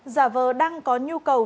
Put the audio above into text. giả vờ đăng có nhu cầu